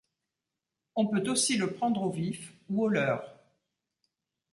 On peut aussi le prendre au vif ou au leurre.